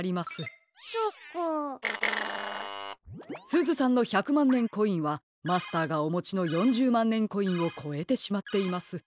すずさんの１００まんねんコインはマスターがおもちの４０まんねんコインをこえてしまっています。